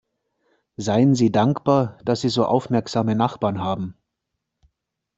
Seien Sie dankbar, dass Sie so aufmerksame Nachbarn haben!